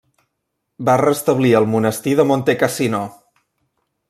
Va restablir el monestir de Montecassino.